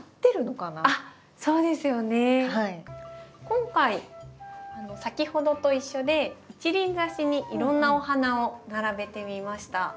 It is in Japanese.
今回先ほどと一緒で一輪挿しにいろんなお花を並べてみました。